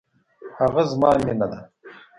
هغه زما مینه ده